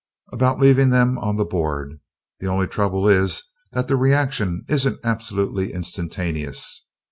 "About leaving them on the board. The only trouble is that the reaction isn't absolutely instantaneous.